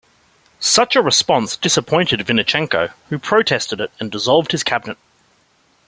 Such a response disappointed Vynnychenko who protested it and dissolved his cabinet.